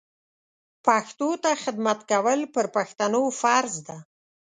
پښتو ته خدمت کول پر پښتنو فرض ده